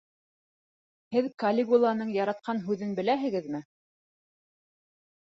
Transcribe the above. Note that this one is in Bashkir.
Һеҙ Калигуланың яратҡан һүҙен беләһегеҙме?